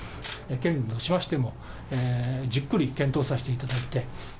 県連としましても、じっくり検討させていただいて。